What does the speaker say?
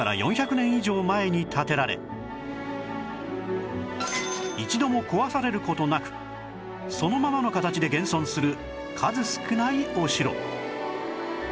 前に建てられ一度も壊される事なくそのままの形で現存する数少ないお城